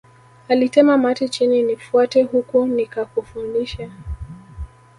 Alitema mate chini nifuate huku nikakufundishe